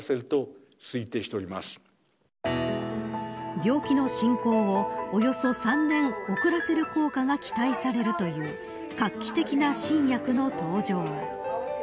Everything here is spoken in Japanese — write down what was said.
病気の進行をおよそ３年遅らせる効果が期待されるという画期的な新薬の登場。